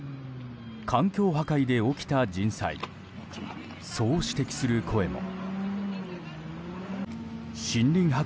環境破壊で起きた人災そう指摘する声も。